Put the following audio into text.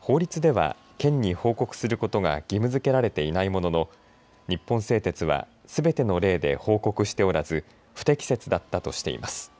法律では県に報告することが義務づけられていないものの日本製鉄はすべての例で報告しておらず不適切だったとしています。